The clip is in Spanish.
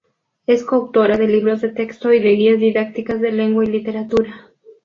Es coautora de libros de texto y de guías didácticas de lengua y literatura.